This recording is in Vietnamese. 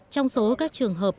trong số các trường hợp